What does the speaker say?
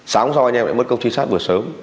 sáng sau anh em lại mất công trí sát vừa sớm